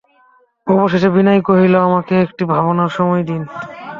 অবশেষে বিনয় কহিল, আমাকে একটু ভাববার সময় দিন।